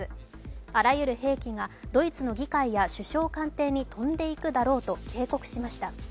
あらゆる兵器がドイツの議会が首相官邸に飛んでいくだろうと警告しました。